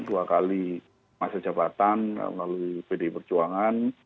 dua kali masa jabatan melalui pdi perjuangan